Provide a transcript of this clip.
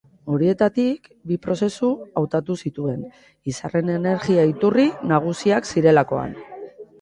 Horietatik bi prozesu hautatu zituen, izarren energia-iturri nagusiak zirelakoan.